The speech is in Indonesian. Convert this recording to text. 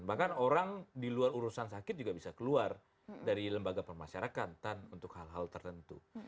bahkan orang di luar urusan sakit juga bisa keluar dari lembaga pemasyarakatan untuk hal hal tertentu